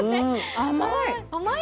甘い。